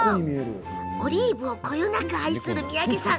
オリーブをこよなく愛する三宅さん。